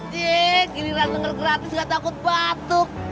yee gini randang randang gratis gak takut batuk